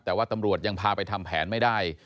แต่ว่าตำรวจยังพาไปทำแผนไม่ได้